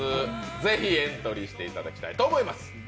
ぜひエントリーしていただきたいと思います。